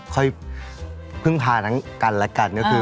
ค่อยพึ่งพาทั้งกันและกันก็คือ